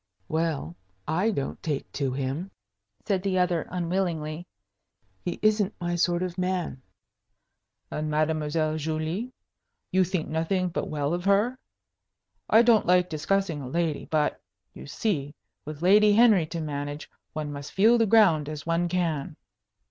"Well, I don't take to him," said the other, unwillingly. "He isn't my sort of man." "And Mademoiselle Julie you think nothing but well of her? I don't like discussing a lady; but, you see, with Lady Henry to manage, one must feel the ground as one can."